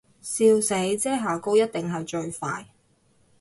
笑死，遮瑕膏一定係最快